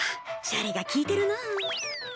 シャレが効いてるなあ。